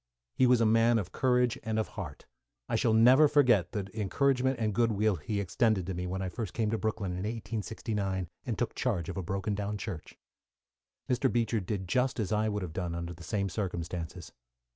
He was a man of courage and of heart. I shall never forget the encouragement and goodwill he extended to me, when I first came to Brooklyn in 1869 and took charge of a broken down church. Mr. Beecher did just as I would have done under the same circumstances.